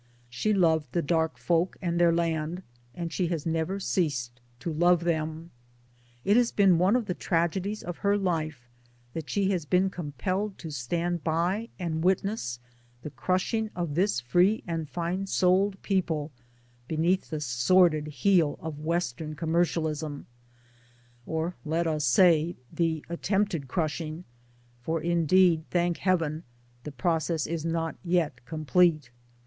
She loved the dark' folk and their land, and she has never ceased 1 to love them. It has been one of the tragedies of her life that she has been compelled to stand by and witness the crushing of this free and fine souled people beneath the sordid heel of Western Commercialism or let us say '' the attempted crushing/' for indeed (thank heaven !) the process is not yet complete.